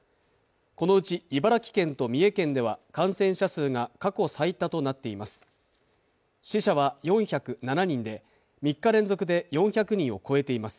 このうち茨城県と三重県では感染者数が過去最多となっています。